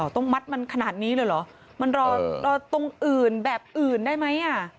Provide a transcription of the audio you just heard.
ต้องมัดมันขนาดนี้เลยเหรอมันรอตรงอื่นแบบอื่นได้ไหม